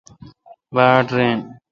باڑ رین۔